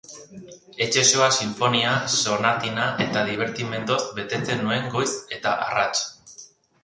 Etxe osoa sinfonia, sonatina eta divertimentoz betetzen nuen, goiz eta arrats.